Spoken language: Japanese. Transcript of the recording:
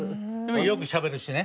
よくしゃべるしね。